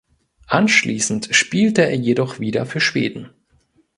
Anschließend spielte er jedoch wieder für Schweden.